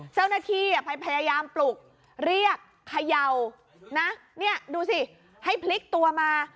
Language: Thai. เจ้าหน้าที่พยายามปลุกเรียกเขย่านะเนี่ยดูสิให้พลิกตัวมา